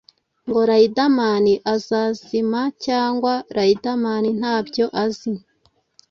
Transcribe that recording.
Ngo riderman azazima cg riderman ntabyo azi